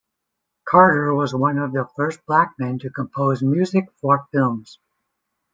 Carter was one of the first black men to compose music for films.